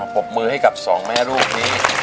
บมือให้กับสองแม่ลูกนี้